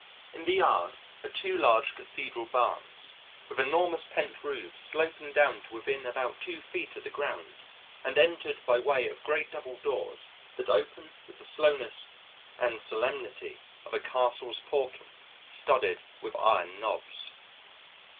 In the yard are two large Cathedral barns, with enormous pent roofs sloping down to within about two feet of the ground and entered by way of great double doors that open with the slowness and solemnity of a Castle's portal studded with iron knobs.